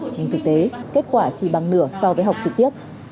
trên thực tế kết quả chỉ bằng nửa so với học trực tiếp